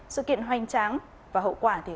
sự kiện hoành tráng và hậu quả